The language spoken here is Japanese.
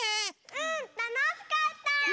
うんたのしかった！